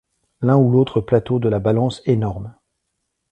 L’un ou l’autre plateau de la balance énorme.